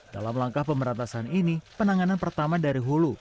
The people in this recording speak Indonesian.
dalam langkah pemberantasan ini penanganan pertama dari hulu